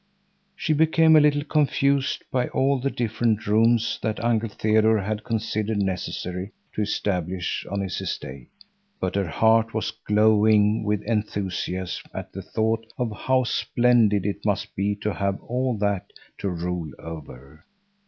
She became a little confused by all the different rooms that Uncle Theodore had considered necessary to establish on his estate; but her heart was glowing with enthusiasm at the thought of how splendid it must be to have all that to rule over.